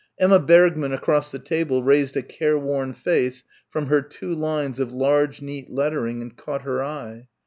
Emma Bergmann across the table raised a careworn face from her two lines of large neat lettering and caught her eye.